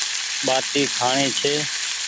ٻآٽي کآڻي ڇي